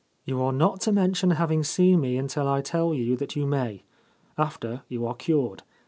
You are not to mention having seen me until I tell you that you may — after you are cured.